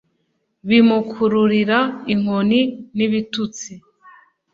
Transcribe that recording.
bimukururira inkoni n'ibitutsi